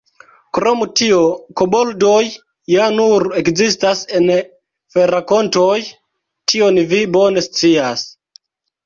Krom tio, koboldoj ja nur ekzistas en ferakontoj; tion vi bone scias.